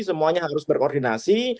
semuanya harus berkoordinasi